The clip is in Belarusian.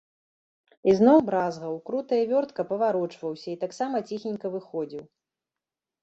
Ізноў бразгаў, крута і вёртка паварочваўся і таксама ціхенька выходзіў.